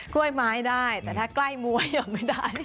กล้วยไม้ได้แต่ถ้าใกล้ม้วยยังไม่ได้